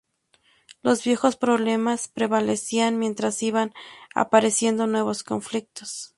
Los viejos problemas prevalecían mientras iban apareciendo nuevos conflictos.